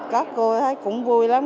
các cô thấy cũng vui lắm